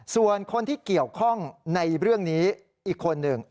ส่วนคนที่เกี่ยวข้องในเรื่องนี้อีกคนหนึ่ง